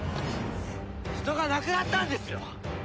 人が亡くなったんですよ！？